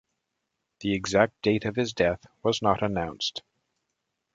The exact date of his death was not announced.